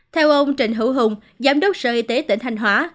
theo ông trịnh hữu hùng giám đốc sở y tế tỉnh thanh hóa